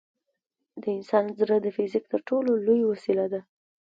د انسان ذهن د فزیک تر ټولو لوی وسیله ده.